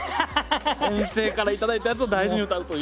先生から頂いたやつを大事に歌うという。